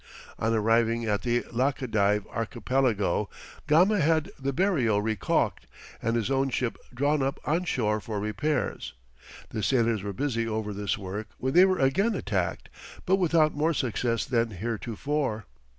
On arriving at the Laccadive Archipelago, Gama had the Berrio recalked, and his own ship drawn up on shore for repairs. The sailors were busy over this work when they were again attacked, but without more success than heretofore.